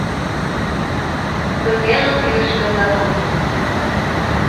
Biz yana yurishda davom etdik.